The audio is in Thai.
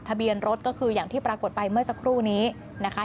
ทะเบียนรถก็คืออย่างที่ปรากฏไปเมื่อสักครู่นี้นะคะ